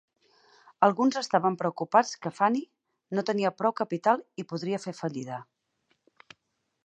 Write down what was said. Alguns estaven preocupats que Fannie no tenia prou capital i podria fer fallida.